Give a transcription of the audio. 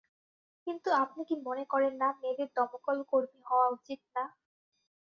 কিন্তু আপনি কি মনে করেন না মেয়েদের দমকল কর্মী হওয়া উচিত না?